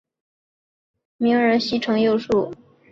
周达明貌似日本艺能界名人西城秀树。